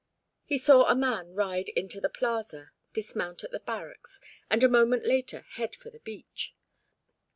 He saw a man ride into the plaza, dismount at the barracks, and a moment later head for the beach.